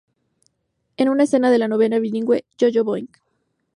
En una escena de la novela bilingüe, "Yo-Yo Boing!